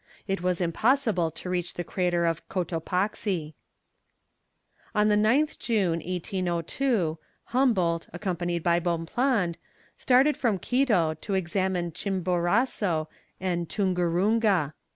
It was impossible to reach the crater of Cotopaxi. On the 9th June, 1802, Humboldt, accompanied by Bonpland, started from Quito to examine Chimborazo and Tungurunga.